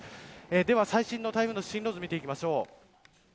では最新の台風の進路図を見ていきましょう。